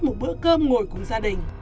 một bữa cơm ngồi cùng gia đình